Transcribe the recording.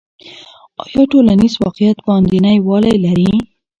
آیا ټولنیز واقعیت باندنی والی لري؟